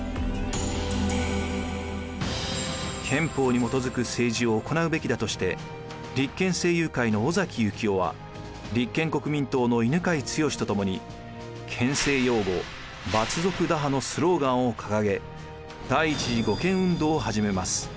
憲法に基づく政治を行うべきだとして立憲政友会の尾崎行雄は立憲国民党の犬養毅と共に「憲政擁護・閥族打破」のスローガンを掲げ第一次護憲運動を始めます。